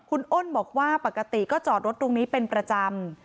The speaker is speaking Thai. คุณอ้นบอกว่าปกติก็จอดรถตรงนี้เป็นประจำ